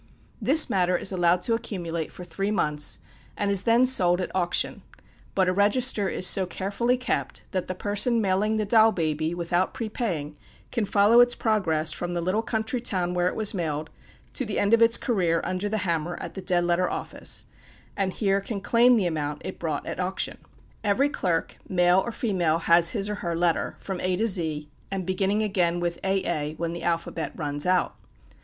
This matter is allowed to accumulate for three months, and is then sold at auction; but a register is so carefully kept, that the person mailing the doll baby without prepaying can follow its progress from the little country town where it was mailed to the end of its career under the hammer at the Dead Letter Office, and here can claim the amount it brought at auction. Every clerk, male or female, has his or her letter, from A to Z, and beginning again with A A, when the alphabet "runs out."